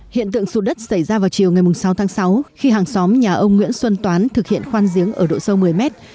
hiện tượng sụt đất xảy ra vào chiều ngày sáu tháng sáu khi hàng xóm nhà ông nguyễn xuân toán thực hiện khoan giếng ở độ sâu một mươi mét